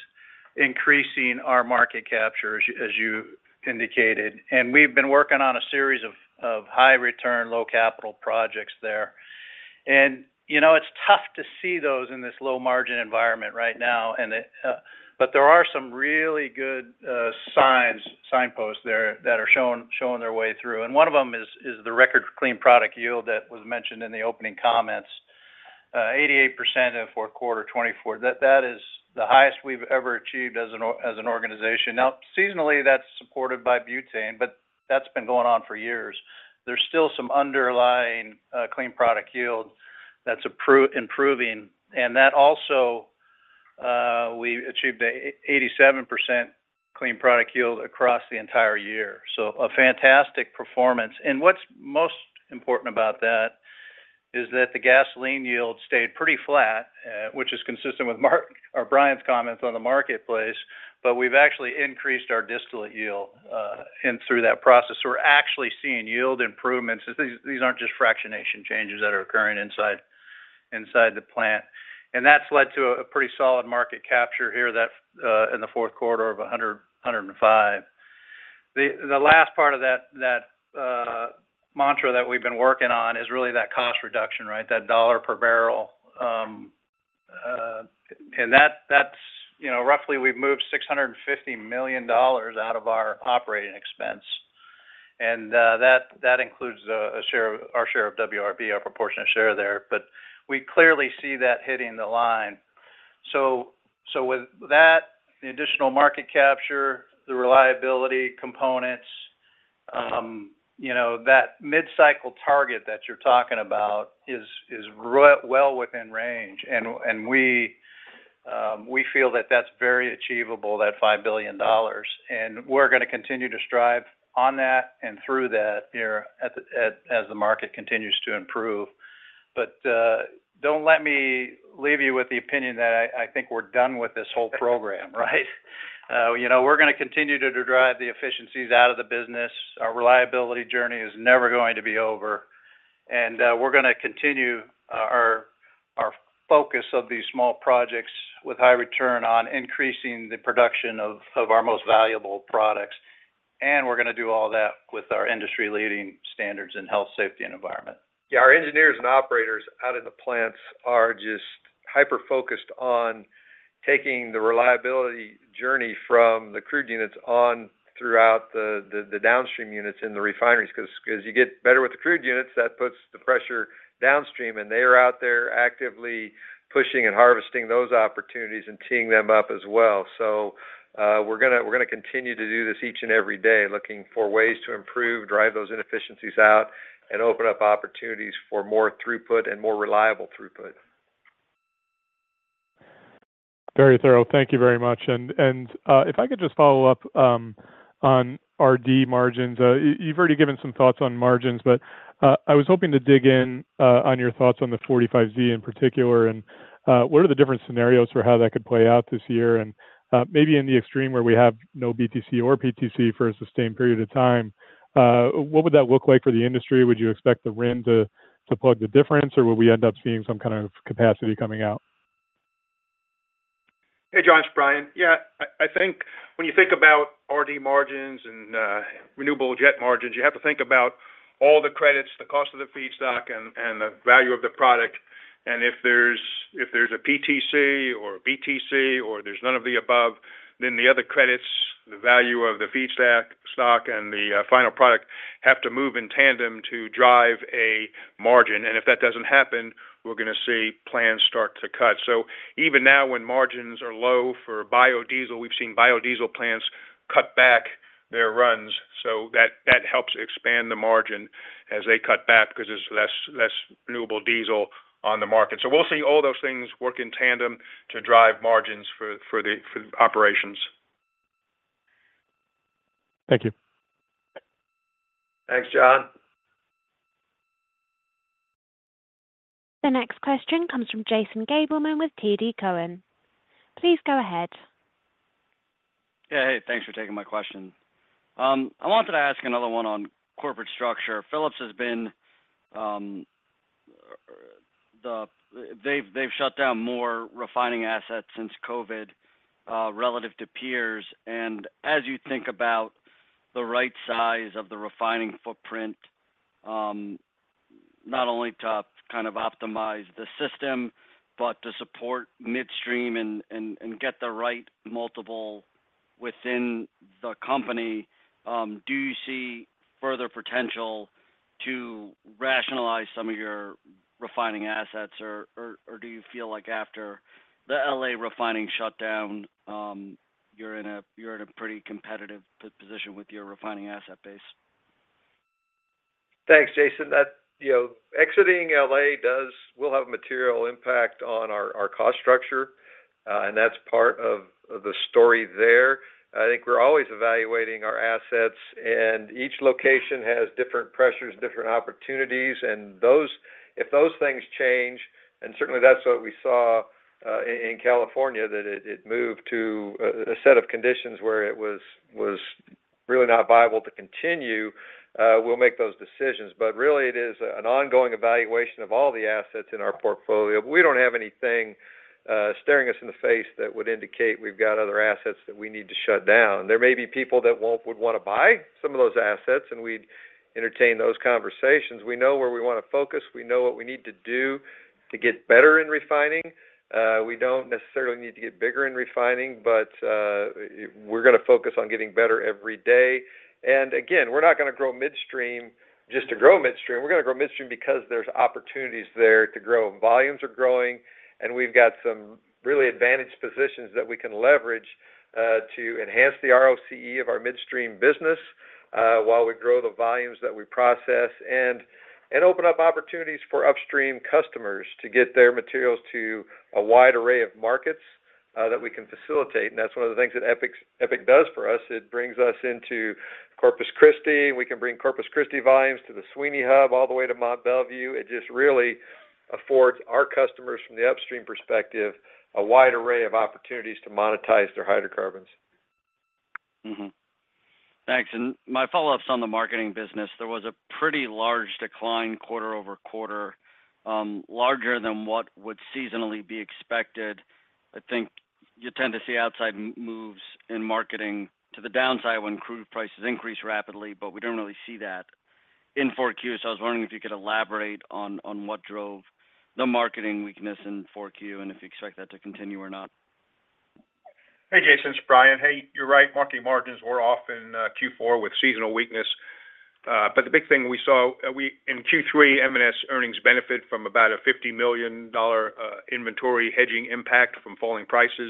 increasing our market capture, as you indicated. And we've been working on a series of high-return, low-capital projects there. And it's tough to see those in this low-margin environment right now. But there are some really good signposts there that are showing their way through. And one of them is the record clean product yield that was mentioned in the opening comments, 88% in the fourth quarter, 2024. That is the highest we've ever achieved as an organization. Now, seasonally, that's supported by butane, but that's been going on for years. There's still some underlying clean product yield that's improving. And that also, we achieved an 87% clean product yield across the entire year. So a fantastic performance. What's most important about that is that the gasoline yield stayed pretty flat, which is consistent with Brian's comments on the marketplace. But we've actually increased our distillate yield through that process. So we're actually seeing yield improvements. These aren't just fractionation changes that are occurring inside the plant. And that's led to a pretty solid market capture here in the fourth quarter of 105%. The last part of that mantra that we've been working on is really that cost reduction, right? That dollar per barrel. And that's roughly, we've moved $650 million out of our operating expense. And that includes our share of WRB, our proportionate share there. But we clearly see that hitting the line. So with that, the additional market capture, the reliability components, that mid-cycle target that you're talking about is well within range. And we feel that that's very achievable, that $5 billion. And we're going to continue to strive on that and through that here as the market continues to improve. But don't let me leave you with the opinion that I think we're done with this whole program, right? We're going to continue to drive the efficiencies out of the business. Our reliability journey is never going to be over. And we're going to continue our focus of these small projects with high return on increasing the production of our most valuable products. And we're going to do all that with our industry-leading standards in health, safety, and environment. Yeah, our engineers and operators out in the plants are just hyper-focused on taking the reliability journey from the crude units on throughout the downstream units in the refineries. Because as you get better with the crude units, that puts the pressure downstream. And they are out there actively pushing and harvesting those opportunities and teeing them up as well. So we're going to continue to do this each and every day, looking for ways to improve, drive those inefficiencies out, and open up opportunities for more throughput and more reliable throughput. Very thorough. Thank you very much. And if I could just follow up on RD margins. You've already given some thoughts on margins, but I was hoping to dig in on your thoughts on the 45Z in particular. And what are the different scenarios for how that could play out this year? And maybe in the extreme where we have no BTC or PTC for a sustained period of time, what would that look like for the industry? Would you expect the RIN to plug the difference, or will we end up seeing some kind of capacity coming out? Hey, John, it's Brian. Yeah, I think when you think about RD margins and renewable jet margins, you have to think about all the credits, the cost of the feedstock, and the value of the product. And if there's a PTC or BTC or there's none of the above, then the other credits, the value of the feedstock and the final product have to move in tandem to drive a margin. And if that doesn't happen, we're going to see plants start to cut. So even now when margins are low for biodiesel, we've seen biodiesel plants cut back their runs. So that helps expand the margin as they cut back because there's less renewable diesel on the market. So we'll see all those things work in tandem to drive margins for the operations. Thank you. Thanks, John. The next question comes from Jason Gabelman with TD Cowen. Please go ahead. Yeah, hey, thanks for taking my question. I wanted to ask another one on corporate structure. Phillips has been, they've shut down more refining assets since COVID relative to peers. And as you think about the right size of the refining footprint, not only to kind of optimize the system, but to support midstream and get the right multiple within the company, do you see further potential to rationalize some of your refining assets? Or do you feel like after the L.A. refining shutdown, you're in a pretty competitive position with your refining asset base? Thanks, Jason. Exiting LA will have a material impact on our cost structure. And that's part of the story there. I think we're always evaluating our assets. And each location has different pressures, different opportunities. And if those things change, and certainly that's what we saw in California, that it moved to a set of conditions where it was really not viable to continue, we'll make those decisions. But really, it is an ongoing evaluation of all the assets in our portfolio. We don't have anything staring us in the face that would indicate we've got other assets that we need to shut down. There may be people that would want to buy some of those assets, and we'd entertain those conversations. We know where we want to focus. We know what we need to do to get better in refining. We don't necessarily need to get bigger in refining, but we're going to focus on getting better every day, and again, we're not going to grow midstream just to grow midstream. We're going to grow midstream because there's opportunities there to grow. Volumes are growing, and we've got some really advantaged positions that we can leverage to enhance the ROCE of our midstream business while we grow the volumes that we process and open up opportunities for upstream customers to get their materials to a wide array of markets that we can facilitate, and that's one of the things that EPIC does for us. It brings us into Corpus Christi. We can bring Corpus Christi volumes to the Sweeny hub all the way to Mont Belvieu. It just really affords our customers from the upstream perspective a wide array of opportunities to monetize their hydrocarbons. Thanks. And my follow-ups on the marketing business. There was a pretty large decline quarter-over-quarter, larger than what would seasonally be expected. I think you tend to see outsize moves in marketing to the downside when crude prices increase rapidly, but we don't really see that in 4Q. So I was wondering if you could elaborate on what drove the marketing weakness in 4Q and if you expect that to continue or not. Hey, Jason, it's Brian. Hey, you're right. Marketing margins were off in Q4 with seasonal weakness. But the big thing we saw in Q3, M&S earnings benefited from about a $50 million inventory hedging impact from falling prices.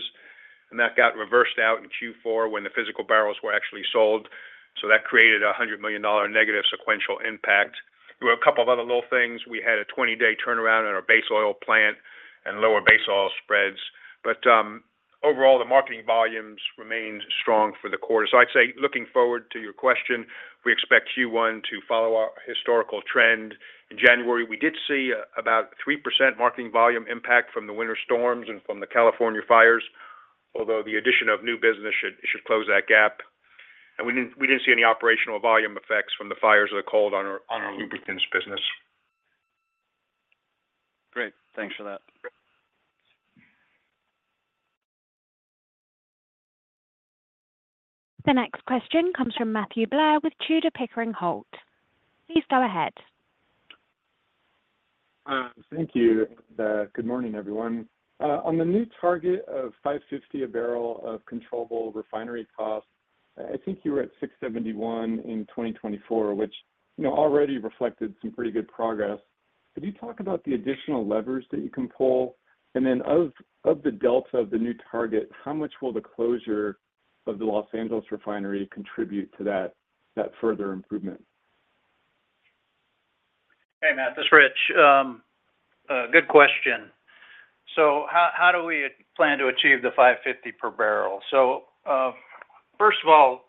And that got reversed out in Q4 when the physical barrels were actually sold. So that created a $100 million negative sequential impact. There were a couple of other little things. We had a 20-day turnaround in our base oil plant and lower base oil spreads. But overall, the marketing volumes remained strong for the quarter. So I'd say looking forward to your question, we expect Q1 to follow our historical trend. In January, we did see about a 3% marketing volume impact from the winter storms and from the California fires, although the addition of new business should close that gap. We didn't see any operational volume effects from the fires or the cold on our lubricants business. Great. Thanks for that. The next question comes from Matthew Blair with Tudor Pickering Holt. Please go ahead. Thank you. Good morning, everyone. On the new target of $5.50 a barrel of controllable refinery costs, I think you were at $6.71 in 2024, which already reflected some pretty good progress. Could you talk about the additional levers that you can pull? And then of the delta of the new target, how much will the closure of the Los Angeles refinery contribute to that further improvement? Hey, Matt, this is Rich. Good question. So how do we plan to achieve the $5.50 per barrel? So first of all,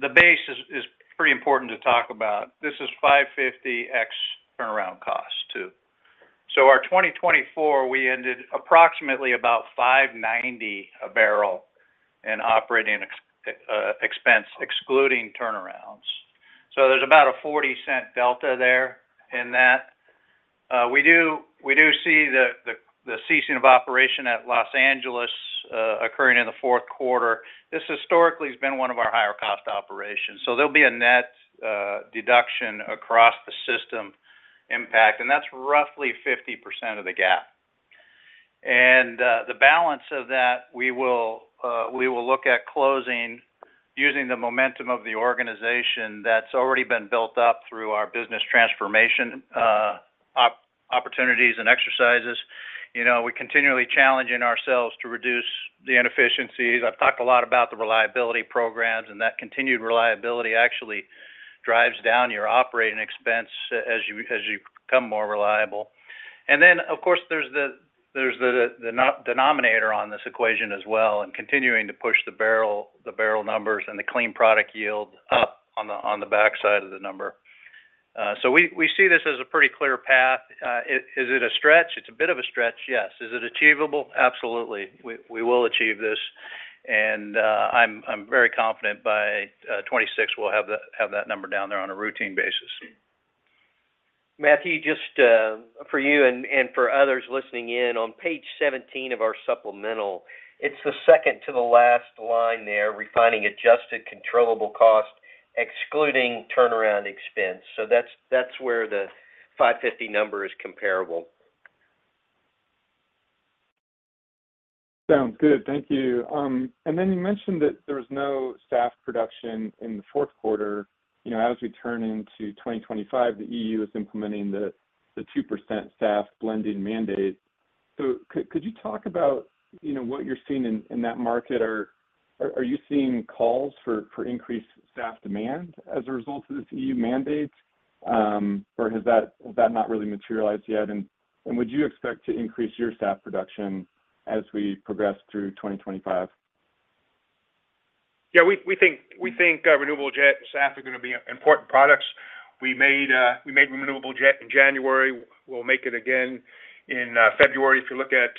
the base is pretty important to talk about. This is $5.50 excluding turnaround cost too. So our 2024, we ended approximately about $5.90 a barrel in operating expense, excluding turnarounds. So there's about a 40-cent delta there in that. We do see the ceasing of operation at Los Angeles occurring in the fourth quarter. This historically has been one of our higher-cost operations. So there'll be a net deduction across the system impact. And that's roughly 50% of the gap. And the balance of that, we will look at closing using the momentum of the organization that's already been built up through our business transformation opportunities and exercises. We're continually challenging ourselves to reduce the inefficiencies. I've talked a lot about the reliability programs, and that continued reliability actually drives down your operating expense as you become more reliable. And then, of course, there's the denominator on this equation as well and continuing to push the barrel numbers and the clean product yield up on the backside of the number. So we see this as a pretty clear path. Is it a stretch? It's a bit of a stretch, yes. Is it achievable? Absolutely. We will achieve this. And I'm very confident by 2026, we'll have that number down there on a routine basis. Matthew, just for you and for others listening in, on page 17 of our supplemental, it's the second to the last line there, refining adjusted controllable cost, excluding turnaround expense. So that's where the $5.50 number is comparable. Sounds good. Thank you. And then you mentioned that there was no SAF production in the fourth quarter. As we turn into 2025, the EU is implementing the 2% SAF blending mandate. So could you talk about what you're seeing in that market? Are you seeing calls for increased SAF demand as a result of this EU mandate, or has that not really materialized yet? And would you expect to increase your SAF production as we progress through 2025? Yeah, we think renewable jet and SAF are going to be important products. We made renewable jet in January. We'll make it again in February. If you look at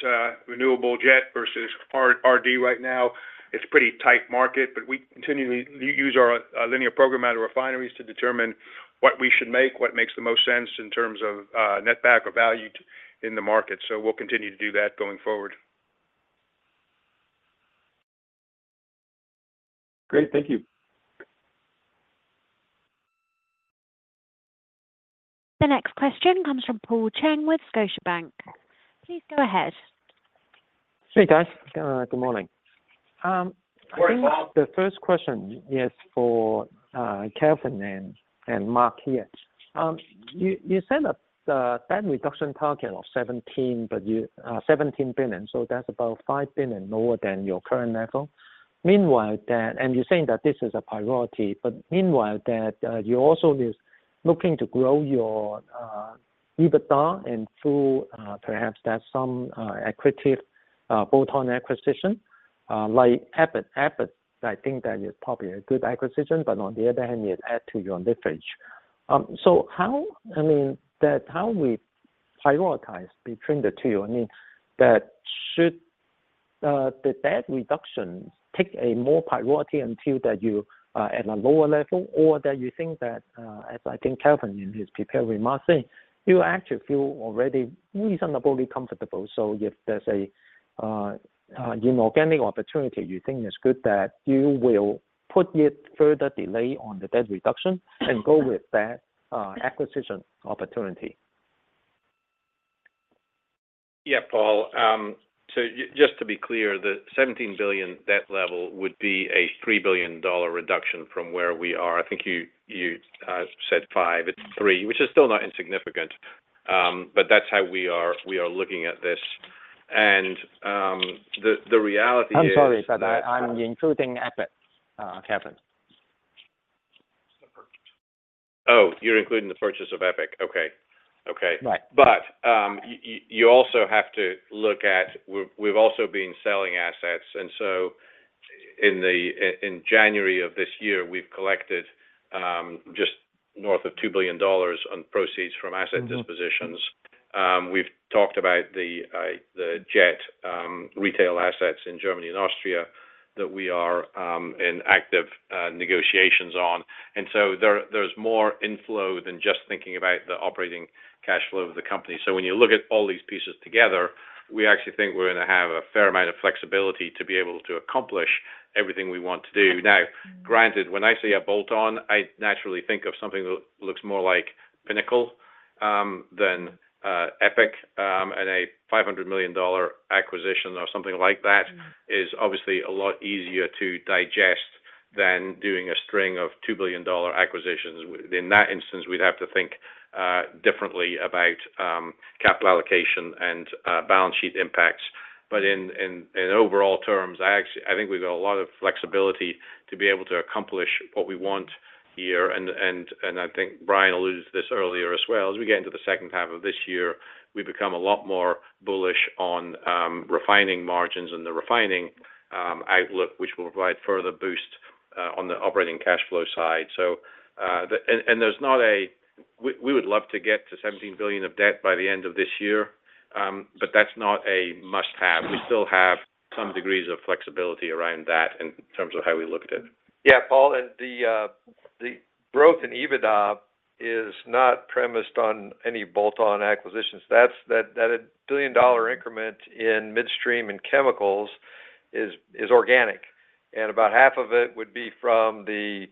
renewable jet versus RD right now, it's a pretty tight market. But we continue to use our linear program out of refineries to determine what we should make, what makes the most sense in terms of netback or value in the market. So we'll continue to do that going forward. Great. Thank you. The next question comes from Paul Cheng with Scotiabank. Please go ahead. Hey, guys. Good morning. The first question is for Kevin and Mark here. You set a net reduction target of $17 billion. So that's about $5 billion lower than your current level. And you're saying that this is a priority, but meanwhile, you're also looking to grow your EBITDA and through perhaps that's some equity bolt-on acquisition like Abbott. Abbott, I think that is probably a good acquisition, but on the other hand, you add to your leverage. So I mean, how we prioritize between the two, I mean, should that reduction take more priority until that you're at a lower level or that you think that, as I think Kevin in his prepared remarks say, you actually feel already reasonably comfortable? So if there's an inorganic opportunity, you think it's good that you will put your further delay on the debt reduction and go with that acquisition opportunity? Yeah, Paul. So just to be clear, the $17 billion debt level would be a $3 billion reduction from where we are. I think you said $5 billion. It's $3 billion, which is still not insignificant. But that's how we are looking at this. And the reality is. I'm sorry, but I'm including EPIC, Kevin. Oh, you're including the purchase of EPIC. Okay. Okay. But you also have to look at we've also been selling assets. And so in January of this year, we've collected just north of $2 billion on proceeds from asset dispositions. We've talked about the JET retail assets in Germany and Austria that we are in active negotiations on. And so there's more inflow than just thinking about the operating cash flow of the company. So when you look at all these pieces together, we actually think we're going to have a fair amount of flexibility to be able to accomplish everything we want to do. Now, granted, when I see a bolt-on, I naturally think of something that looks more like Pinnacle than EPIC. And a $500 million acquisition or something like that is obviously a lot easier to digest than doing a string of $2 billion acquisitions. In that instance, we'd have to think differently about capital allocation and balance sheet impacts. But in overall terms, I think we've got a lot of flexibility to be able to accomplish what we want here. And I think Brian alluded to this earlier as well. As we get into the second half of this year, we become a lot more bullish on refining margins and the refining outlook, which will provide further boost on the operating cash flow side. And there's not a we would love to get to $17 billion of debt by the end of this year, but that's not a must-have. We still have some degrees of flexibility around that in terms of how we look at it. Yeah, Paul, and the growth in EBITDA is not premised on any bolt-on acquisitions. That $1 billion increment in midstream and chemicals is organic. And about half of it would be from the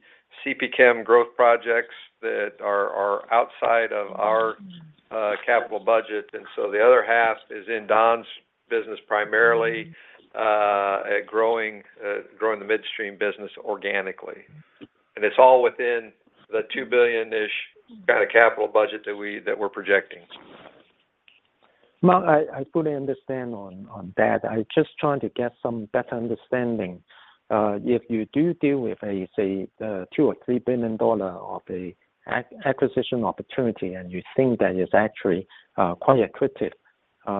CP Chem growth projects that are outside of our capital budget. And so the other half is in Don's business primarily at growing the midstream business organically. And it's all within the $2 billion-ish kind of capital budget that we're projecting. I fully understand that. I'm just trying to get some better understanding. If you do deal with, say, $2 or $3 billion of an acquisition opportunity and you think that is actually quite equitable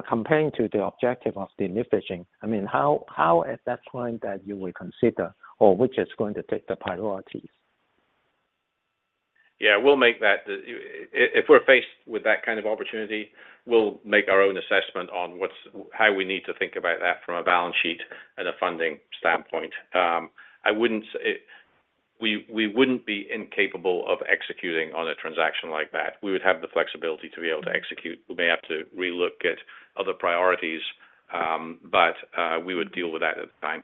compared to the objective of the leveraging, I mean, how at that point that you would consider or which is going to take the priorities? Yeah, we'll make that. If we're faced with that kind of opportunity, we'll make our own assessment on how we need to think about that from a balance sheet and a funding standpoint. We wouldn't be incapable of executing on a transaction like that. We would have the flexibility to be able to execute. We may have to relook at other priorities, but we would deal with that at the time.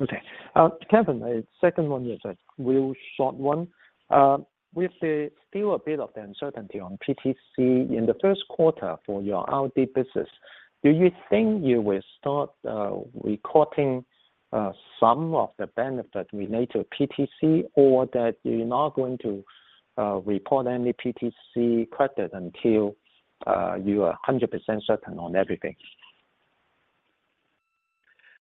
Okay. Kevin, the second one is a real short one. With still a bit of the uncertainty on PTC in the first quarter for your RD business, do you think you will start reporting some of the benefit related to PTC or that you're not going to report any PTC credit until you're 100% certain on everything?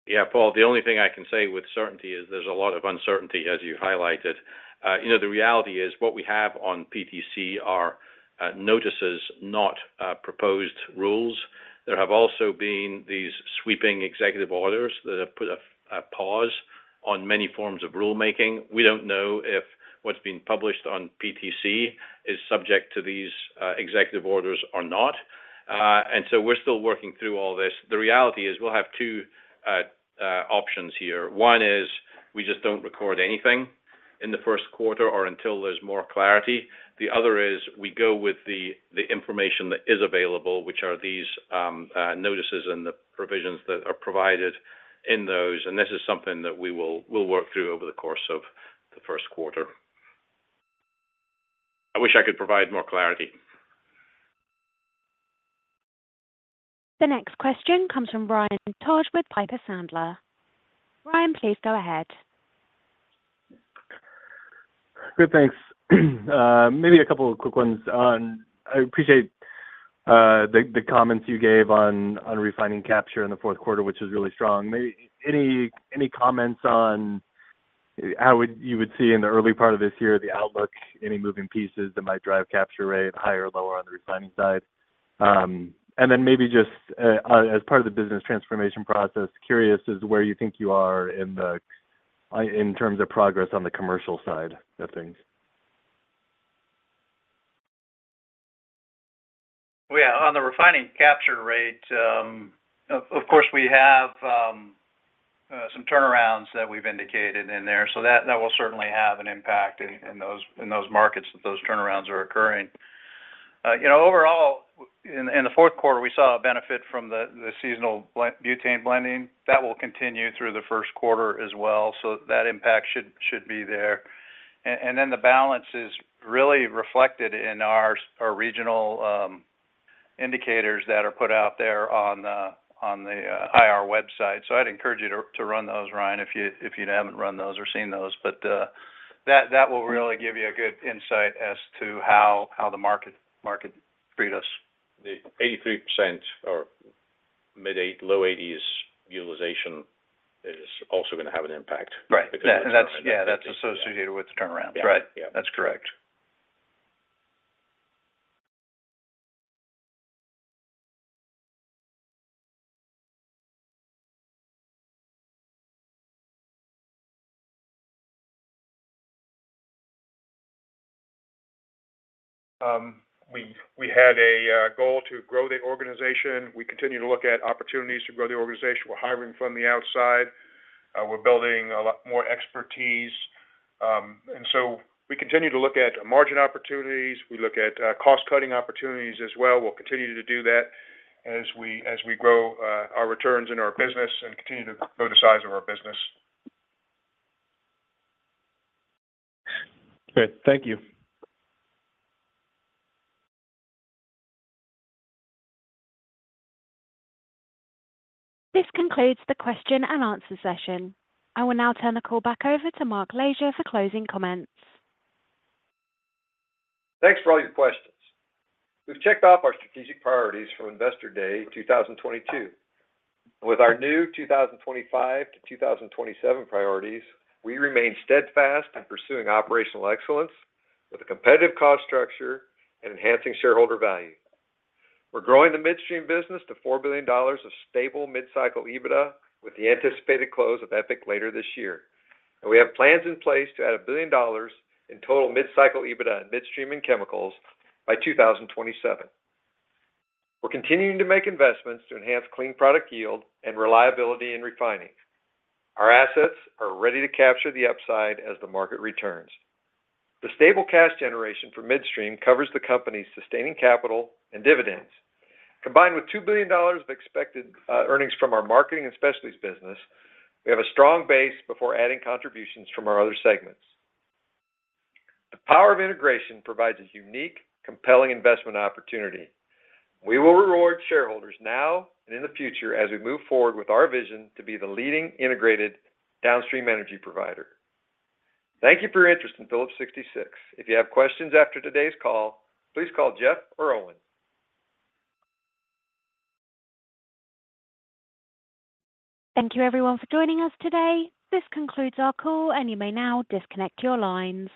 Yeah, Paul, the only thing I can say with certainty is there's a lot of uncertainty, as you highlighted. The reality is what we have on PTC are notices, not proposed rules. There have also been these sweeping executive orders that have put a pause on many forms of rulemaking. We don't know if what's being published on PTC is subject to these executive orders or not. And so we're still working through all this. The reality is we'll have two options here. One is we just don't record anything in the first quarter or until there's more clarity. The other is we go with the information that is available, which are these notices and the provisions that are provided in those. And this is something that we will work through over the course of the first quarter. I wish I could provide more clarity. The next question comes from Ryan Todd with Piper Sandler. Ryan, please go ahead. Good, thanks. Maybe a couple of quick ones. I appreciate the comments you gave on refining capture in the fourth quarter, which is really strong. Any comments on how you would see in the early part of this year the outlook, any moving pieces that might drive capture rate higher or lower on the refining side? And then maybe just as part of the business transformation process, curious as to where you think you are in terms of progress on the commercial side of things? On the refining capture rate, of course, we have some turnarounds that we've indicated in there. That will certainly have an impact in those markets that those turnarounds are occurring. Overall, in the fourth quarter, we saw a benefit from the seasonal butane blending. That will continue through the first quarter as well. That impact should be there. The balance is really reflected in our regional indicators that are put out there on the IR website. I'd encourage you to run those, Ryan, if you haven't run those or seen those. But that will really give you a good insight as to how the market treats us. The 83% or mid-80s, low-80s utilization is also going to have an impact. Right. Yeah, that's associated with the turnaround. Right. That's correct. We had a goal to grow the organization. We continue to look at opportunities to grow the organization. We're hiring from the outside. We're building a lot more expertise, and so we continue to look at margin opportunities. We look at cost-cutting opportunities as well. We'll continue to do that as we grow our returns in our business and continue to grow the size of our business. Great. Thank you. This concludes the question and answer session. I will now turn the call back over to Mark Lashier for closing comments. Thanks for all your questions. We've checked off our strategic priorities for Investor Day 2022. With our new 2025-2027 priorities, we remain steadfast in pursuing operational excellence with a competitive cost structure and enhancing shareholder value. We're growing the midstream business to $4 billion of stable mid-cycle EBITDA with the anticipated close of EPIC later this year. And we have plans in place to add $1 billion in total mid-cycle EBITDA and midstream in chemicals by 2027. We're continuing to make investments to enhance clean product yield and reliability in refining. Our assets are ready to capture the upside as the market returns. The stable cash generation for midstream covers the company's sustaining capital and dividends. Combined with $2 billion of expected earnings from our marketing and specialties business, we have a strong base before adding contributions from our other segments. The power of integration provides a unique, compelling investment opportunity. We will reward shareholders now and in the future as we move forward with our vision to be the leading integrated downstream energy provider. Thank you for your interest in Phillips 66. If you have questions after today's call, please call Jeff or Owen. Thank you, everyone, for joining us today. This concludes our call, and you may now disconnect your lines.